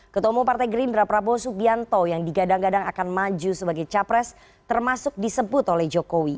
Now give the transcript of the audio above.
ketemu partai gerindra prabowo subianto yang digadang gadang akan maju sebagai capres termasuk disebut oleh jokowi